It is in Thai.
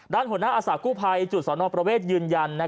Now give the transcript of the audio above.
ด้านหัวหน้าอาสากู้ภัยจุดสนประเวทยืนยัน